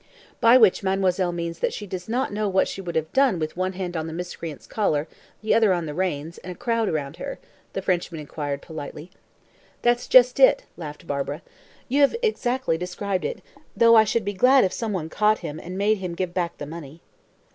"By which mademoiselle means that she does not know what she would have done with one hand on the miscreant's collar, the other on the reins, and a crowd around her?" the Frenchman inquired politely. "That's just it," laughed Barbara. "You have exactly described it though I should be glad if some one caught him and made him give back the money."